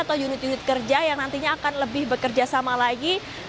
atau unit unit kerja yang nantinya akan lebih bekerja sama lagi